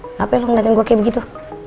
kenapa lo ngeliatin gue kayak begitu